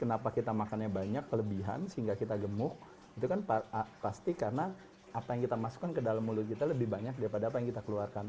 karena kalau kita makannya banyak kelebihan sehingga kita gemuk itu kan pasti karena apa yang kita masukkan ke dalam mulut kita lebih banyak daripada apa yang kita keluarkan